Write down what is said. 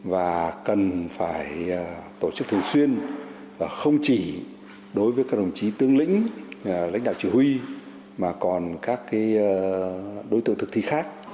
và cần phải tổ chức thường xuyên không chỉ đối với các đồng chí tướng lĩnh lãnh đạo chỉ huy mà còn các đối tượng thực thi khác